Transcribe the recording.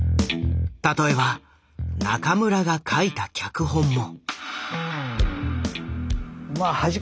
例えば中村が書いた脚本も。